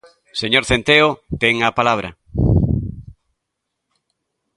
Señor Centeo, ten a palabra.